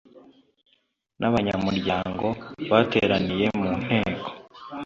n abanyamuryango bateraniye mu Nteko